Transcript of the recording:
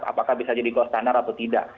apakah bisa jadi gold standard atau tidak